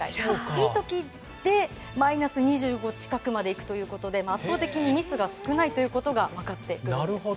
いい時でマイナス２０近くまでいくということで圧倒的にミスが少ないことが分かってくるんです。